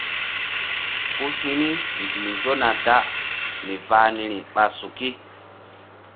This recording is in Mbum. Ku hi̧ mi mbih nzona da mi vah niri ɓa suki.